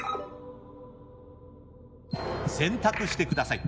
選択してください。